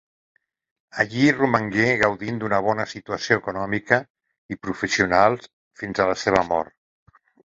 Allí romangué gaudint d'una bona situació econòmica i professional fins a la seva mort.